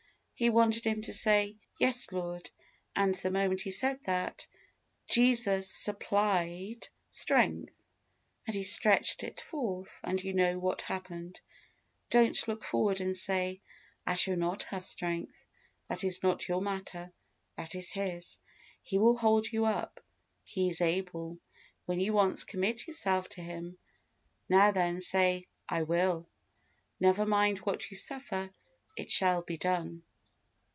He wanted him to say, "Yes, Lord;" and, the moment he said that, Jesus supplied strength, and he stretched it forth, and you know what happened. Don't look forward, and say, "I shall not have strength;" that is not your matter that is His. He will hold you up; He is able, when you once commit yourself to Him. Now then, say, "I will." Never mind what you suffer it shall be done.